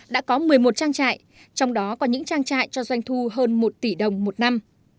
đã có một mươi một trang trại trong đó có những trang trại cho doanh thu hơn một tỷ đồng một năm